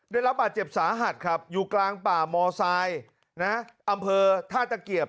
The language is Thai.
ได้รับบาดเจ็บสาหัสครับอยู่กลางป่ามอไซนะอำเภอท่าตะเกียบ